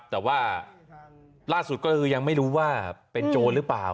แต่ว่าล่าสุดก็คือยังไม่รู้ว่าเป็นโจรหรือเปล่า